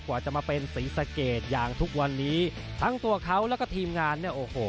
กว่าจะมาเป็นศรีสะเกดอย่างทุกวันนี้ทั้งตัวเขาแล้วก็ทีมงานเนี่ยโอ้โห